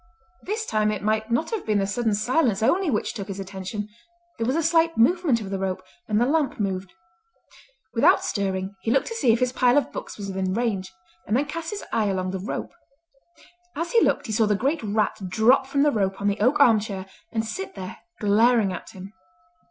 This time it might not have been the sudden silence only which took his attention; there was a slight movement of the rope, and the lamp moved. Without stirring, he looked to see if his pile of books was within range, and then cast his eye along the rope. As he looked he saw the great rat drop from the rope on the oak arm chair and sit there glaring at him.